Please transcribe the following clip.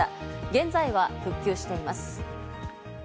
現在は復旧しています。